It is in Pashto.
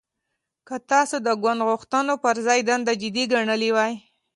که تاسو د ګوند غوښتنو پر ځای دنده جدي ګڼلې وای